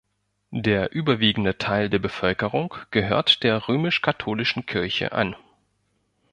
Der überwiegende Teil der Bevölkerung gehört der römisch-katholischen Kirche an.